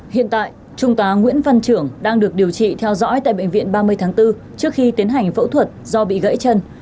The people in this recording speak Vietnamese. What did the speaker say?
hiện tại trung tá nguyễn văn trưởng đang được điều trị theo dõi tại bệnh viện ba mươi tháng bốn trước khi tiến hành phẫu thuật do bị gãy chân